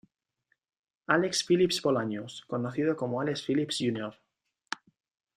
Alex Phillips Bolaños conocido como Alex Phillips Jr.